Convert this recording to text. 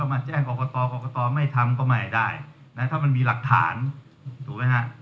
ไม่ทำก็ไม่ได้ถ้ามันมีหลักฐานถูกไหมฮะ